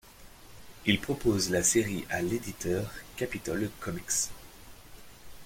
Ils proposent la série à l'éditeur Capitol Comics.